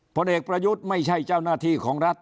ผลเอกประยุทธ์ไม่ใช่เจ้าหน้าที่ของรัฐ